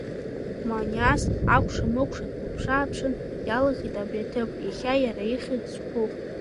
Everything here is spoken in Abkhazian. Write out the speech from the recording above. Маниас акәшамыкәша днаԥшы-ааԥшын, иалихит абри аҭыԥ, иахьа иара ихьӡ зху.